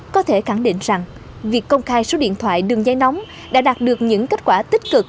có thể khẳng định rằng việc công khai số điện thoại đường dây nóng đã đạt được những kết quả tích cực